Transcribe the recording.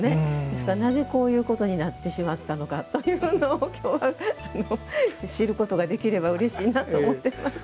ですから、なぜこういうことになってしまったのかきょうは、知ることができればうれしいなと思っています。